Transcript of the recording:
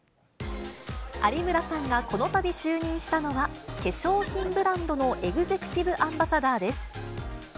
有村さんがこのたび就任したのは、化粧品ブランドのエグゼクティブアンバサダーです。